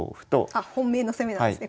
あっ本命の攻めなんですね